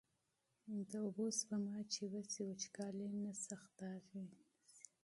د اوبو سپما چې وشي، وچکالي نه شدېږي.